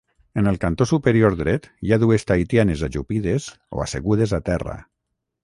En el cantó superior dret hi ha dues tahitianes ajupides o assegudes a terra.